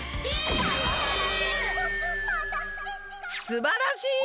すばらしい！